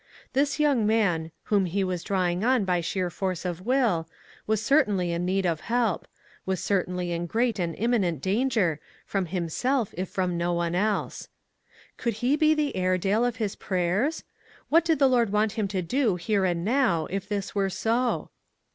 This young man, whom he was drawing on by sheer force of will, was certainly in need of help; was certainly in great and imminent danger, from himself, if from no one else. "Could he be the Airedale of his prayers? What did the Lord want him to do here and now, if this were so?